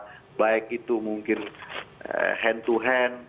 karena baik itu mungkin hand to hand